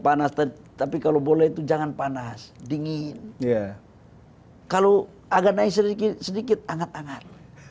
panas tapi kalau bola itu jangan panas dingin ya kalau agak naik sedikit sedikit hangat hangat